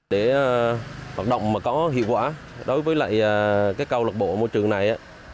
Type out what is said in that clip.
để hoạt động có hiệu quả đối với lại câu lạc bộ môi trường này